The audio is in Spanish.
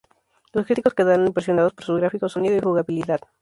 Los críticos quedaron impresionados por sus gráficos, sonido y jugabilidad.